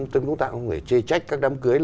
tất cả người chê trách các đám cưới